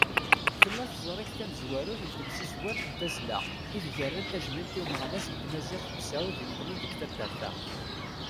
Tella teẓrigt tamezwarut n temsizwert n tazzla, ideg rran tajmilt i umeɣnas n tmaziɣt Besεud i imeḍlen deg taddart-a.